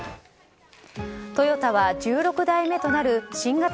トヨタは１６台目となる新型